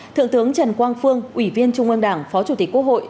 thượng tướng trần quang phương ủy viên trung ương đảng phó chủ tịch quốc hội